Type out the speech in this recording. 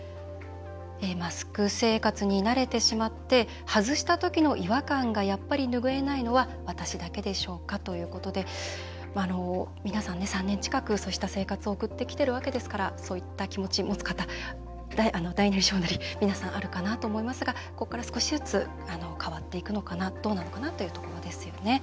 マスク生活に慣れてしまって外した時の違和感がやっぱり、拭えないのは私だけでしょうか、ということで皆さん、３年近くそうした生活を送ってきているのでそういった気持ち持つ方大なり小なり皆さん、あるかなと思いますがここから少しずつ変わっていくのかどうなのかなというところですね。